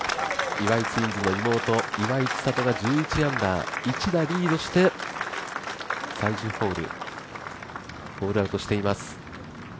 岩井ツインズの妹、岩井千怜が１１アンダー、１打リードして、最終ホール、ホールアウトしています。